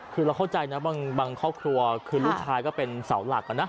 คือเราเข้าใจนะบางครอบครัวคือลูกชายก็เป็นเสาหลักนะ